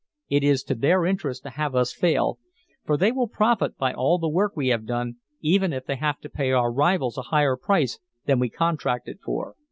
It is to their interest to have us fail, for they will profit by all the work we have done, even if they have to pay our rivals a higher price than we contracted for.